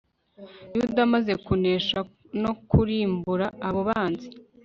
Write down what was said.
yuda amaze kunesha no kurimbura abo banzi